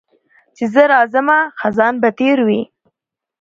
چي زه راځمه خزان به تېر وي